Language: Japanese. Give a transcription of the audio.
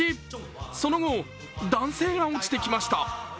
その後、男性が落ちてきました。